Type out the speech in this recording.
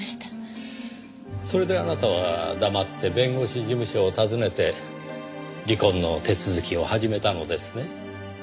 それであなたは黙って弁護士事務所を訪ねて離婚の手続きを始めたのですね？